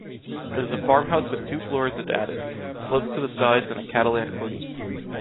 It is a farmhouse with two floors and attic, slopes to the sides and a Catalan cornice.